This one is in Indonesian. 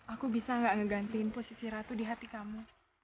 aku bisa gak ngegantiin posisi ratu di hati kamu